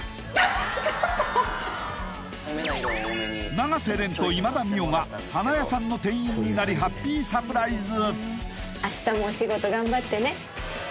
永瀬廉と今田美桜が花屋さんの店員になりハッピーサプライズ